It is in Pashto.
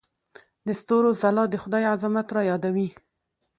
د ستورو ځلا د خدای عظمت رايادوي.